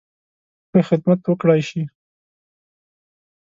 ښه خدمت وکړای شي.